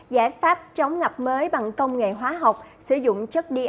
giải pháp chống ngập mới bằng công nghệ hóa học sử dụng chất dec